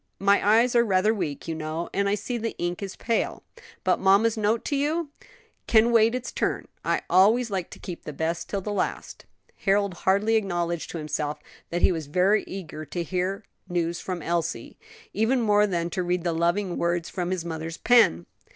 My eyes are rather weak, you know, and I see the ink is pale." "But mamma's note to you?" "Can wait its turn. I always like to keep the best till the last." Harold hardly acknowledged to himself that he was very eager to hear news from Elsie; even more than to read the loving words from his mother's pen.